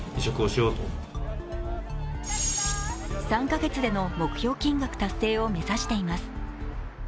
３か月での目標金額達成を目指しています。